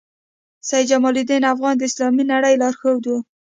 سید جمال الدین افغاني د اسلامي نړۍ لارښود وو.